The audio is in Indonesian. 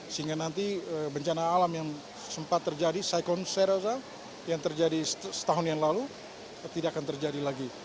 sehingga nanti bencana alam yang sempat terjadi saya rasa yang terjadi setahun yang lalu tidak akan terjadi lagi